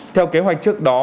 theo kế hoạch trước đó